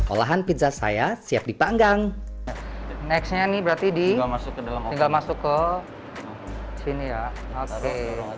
olahan pizza saya siap dipanggang nextnya nih berarti dimasuk ke dalam tinggal masuk ke sini ya oke